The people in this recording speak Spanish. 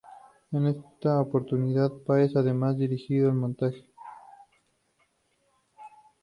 En esta oportunidad Páez además dirigió el montaje.